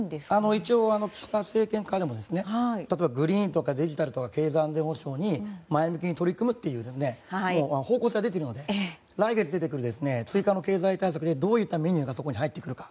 一応、政権下でも例えばグリーンとかデジタルとか経済、安全保障に前向きに取り組むという方向性は出ているので来月出てくる追加の経済対策でどういうメニューが入ってくるか。